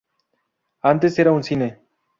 Antes era un cine.